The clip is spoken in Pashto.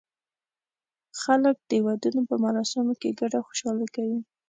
خلک د ودونو په مراسمو کې ګډه خوشالي کوي.